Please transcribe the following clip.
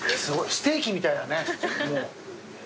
ステーキみたいだねもう。